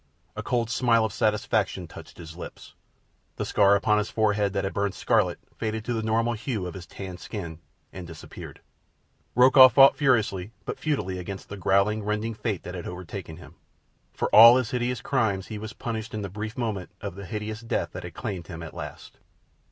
A cold smile of satisfaction touched his lips. The scar upon his forehead that had burned scarlet faded to the normal hue of his tanned skin and disappeared. Rokoff fought furiously but futilely against the growling, rending fate that had overtaken him. For all his countless crimes he was punished in the brief moment of the hideous death that claimed him at the last.